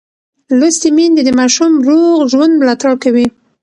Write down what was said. لوستې میندې د ماشوم روغ ژوند ملاتړ کوي.